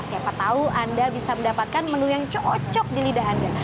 siapa tahu anda bisa mendapatkan menu yang cocok di lidah anda